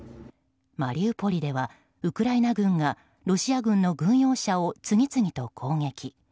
マリウポリではウクライナ軍がロシア軍の軍用車を次々と攻撃。